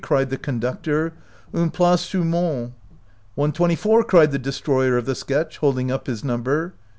cried the con ductor. " Une place settlement '."" One twenty four !" cried the destroyer of the sketch, holding up his number.